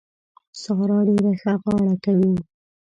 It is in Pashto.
سارا ډېره ښه غاړه کوي.